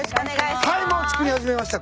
はいもう作り始めました。